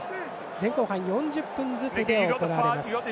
前後半４０分ずつで行われます。